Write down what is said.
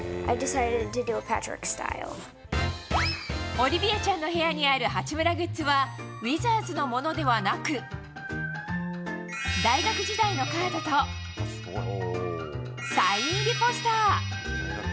オリビアちゃんの部屋にある八村グッズはウィザーズのものではなく大学時代のカードとサイン入りポスター。